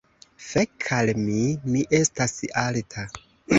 Fek' al mi! Mi estas alta.